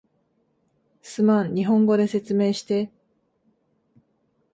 すまん、日本語で説明して